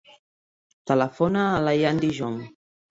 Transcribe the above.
Telefona a l'Ayaan Gijon.